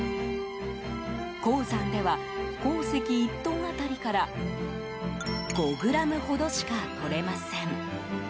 鉱山では、鉱石１トン当たりから５ｇほどしか取れません。